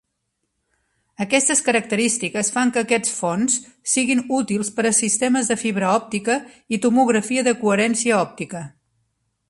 Aquestes característiques fan que aquests fonts siguin útils per a sistemes de fibra òptica i tomografia de coherència òptica.